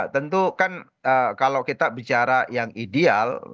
tentu kan kalau kita bicara yang ideal